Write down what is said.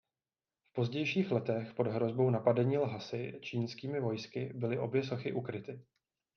V pozdějších letech pod hrozbou napadení Lhasy čínskými vojsky byly obě sochy ukryty.